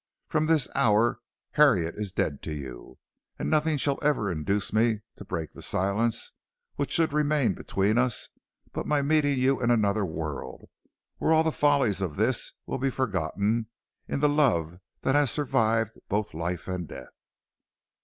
From this hour Harriet is dead to you, and nothing shall ever induce me to break the silence which should remain between us but my meeting you in another world, where all the follies of this will be forgotten in the love that has survived both life and death.